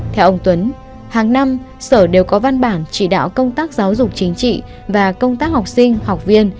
theo ông tuấn hàng năm sở đều có văn bản chỉ đạo công tác giáo dục chính trị và công tác học sinh học viên